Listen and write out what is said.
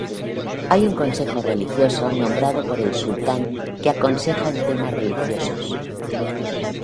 Hay un consejo religioso nombrado por el sultán que aconseja en temas religiosos.